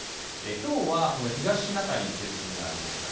きょうは東シナ海に中心がありました。